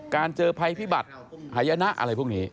เจอภัยพิบัติหายนะอะไรพวกนี้